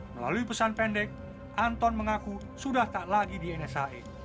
melalui pesan pendek anton mengaku sudah tak lagi di nsa